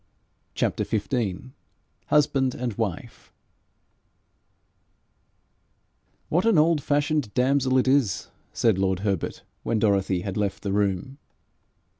CHAPTER XV HUSBAND AND WIFE 'What an old fashioned damsel it is!' said lord Herbert when Dorothy had left the room.